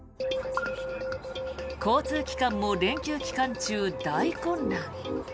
交通機関も連休期間中、大混乱。